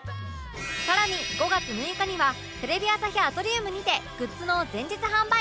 更に５月６日にはテレビ朝日アトリウムにてグッズの前日販売会を開催！